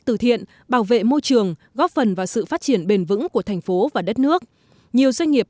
tự thiện bảo vệ môi trường